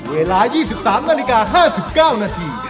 เวลา๒๓นาฬิกา๕๙นาที